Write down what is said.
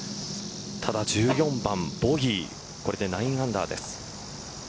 ただ１４番ボギーこれで９アンダーです。